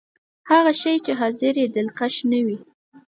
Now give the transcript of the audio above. هغه شی چې ظاهر يې دلکش نه وي.